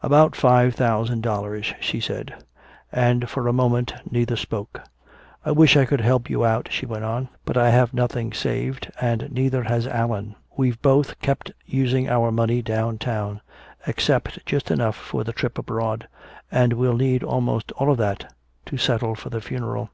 "About five thousand dollars," she said. And for a moment neither spoke. "I wish I could help you out," she went on, "but I have nothing saved and neither has Allan. We've both kept using our money downtown except just enough for the trip abroad and we'll need almost all of that to settle for the funeral."